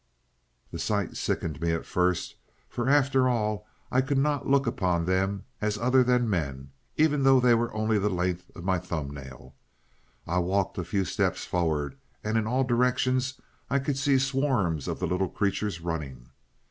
"The sight sickened me at first, for after all, I could not look upon them as other than men, even though they were only the length of my thumb nail. I walked a few steps forward, and in all directions I could see swarms of the little creatures running.